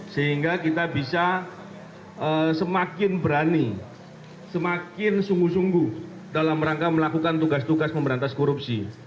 sehingga kita bisa semakin berani semakin sungguh sungguh dalam rangka melakukan tugas tugas memberantas korupsi